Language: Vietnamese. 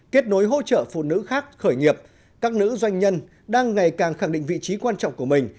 kết nối hỗ trợ phụ nữ khác khởi nghiệp các nữ doanh nhân đang ngày càng khẳng định vị trí quan trọng của mình